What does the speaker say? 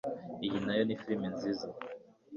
Iyi nayo ni firime nziza